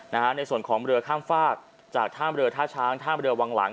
ในส่วนของบริเรข้ามฝากจากถ้าบริเรท่าช้างถ้าบริเรวางหลัง